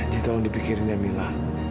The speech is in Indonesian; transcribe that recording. cie tolong dipikirin ya mila